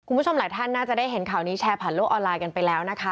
คุณผู้ชมหลายท่านน่าจะได้เห็นข่าวนี้แชร์ผ่านโลกออนไลน์กันไปแล้วนะคะ